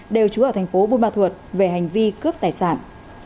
đều trú ở thành phố vân ba thuật về hành vi cướp tài sản